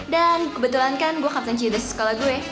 dan kebetulan kan gue captain childers sekolah gue